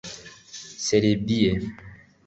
Serbie